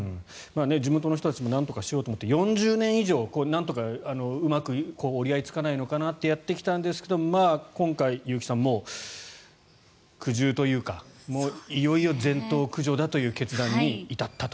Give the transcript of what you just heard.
地元の人たちもなんとかしようと思って４０年以上折り合いがつかないのかなとやってきたけど今回、結城さん苦渋というかいよいよ全頭駆除だという決断に至ったと。